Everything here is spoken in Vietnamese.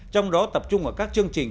trong đó tập trung vào các chương trình